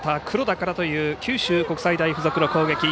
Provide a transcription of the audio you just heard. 黒田からという九州国際大付属の攻撃。